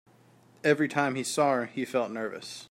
Every time he saw her, he felt nervous.